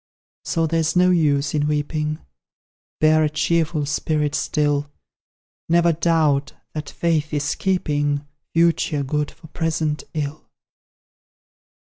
So there's no use in weeping, Bear a cheerful spirit still; Never doubt that Fate is keeping Future good for present ill!